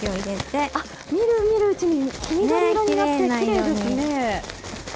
みるみるうちに黄緑色になってきれいですね。